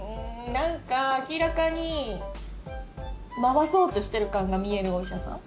なんか明らかに回そうとしている感が見えるお医者さん。